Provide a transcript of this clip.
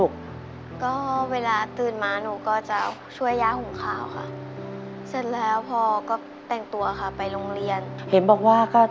ความเก็นได้เยอะค่ะ